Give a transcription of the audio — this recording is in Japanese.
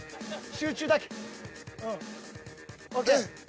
集中だけうん。ＯＫ。